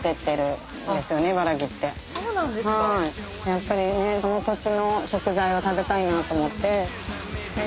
やっぱりねその土地の食材を食べたいなと思って。